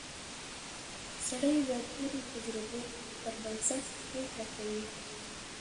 سړی د تېرو تجربو پر بنسټ پریکړه کوي